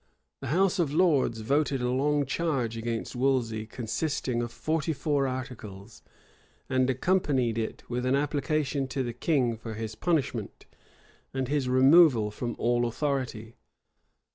The house of lords voted a long charge against Wolsey, consisting of forty four articles; and accompanied it with an application to the king for his punishment, and his removal from all authority.